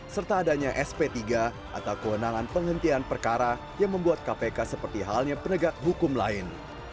serta adanya sp tiga atau kewenangan penghentian perkara yang membuat kpk seperti halnya penegak hukum lain